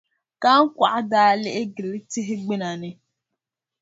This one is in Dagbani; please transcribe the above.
Kahiŋkɔɣu daa lihi gili tihi gbuna ni.